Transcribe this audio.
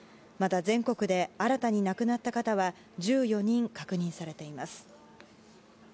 また、全国で新たに亡くなった方は１４人確認されています。